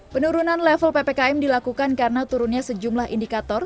penurunan level ppkm dilakukan karena turunnya sejumlah indikator